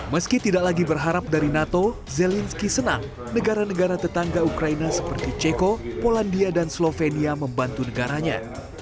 meski tidak lagi berharap dari nato zelensky senang negara negara tetangga ukraina seperti ceko polandia dan slovenia membantu negaranya